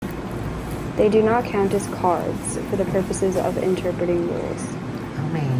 They do not count as "cards" for the purposes of interpreting rules.